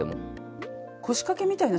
腰掛けみたいな？